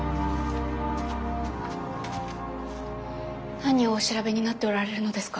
何をお調べになっておられるのですか？